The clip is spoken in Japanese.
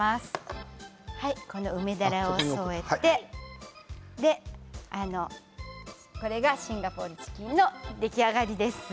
この梅だれを添えてこれでシンガポールチキンが出来上がりです。